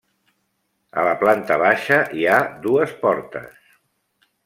A la planta baixa hi ha dues portes.